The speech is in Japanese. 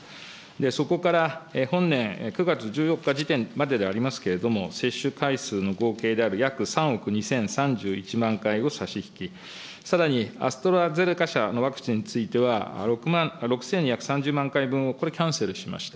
そこから本年９月１４日時点までではありますけれども、接種回数の合計である約３億２０３１万回を差し引き、さらに、アストラゼネカ社のワクチンについては６２３０万回分をこれ、キャンセルしました。